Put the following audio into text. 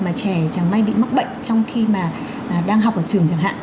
mà trẻ chẳng may bị mắc bệnh trong khi mà đang học ở trường chẳng hạn